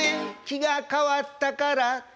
「きが変わったから」